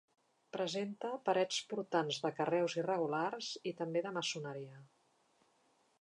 Presenta parets portants de carreus irregulars i també de maçoneria.